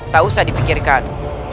tak usah dipikirkan